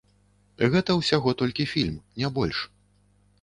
Гэта ўсяго толькі фільм, не больш.